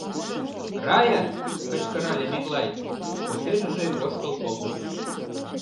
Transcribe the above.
— Рая! — кычкырале Миклай, почешыже ошкыл колтыш.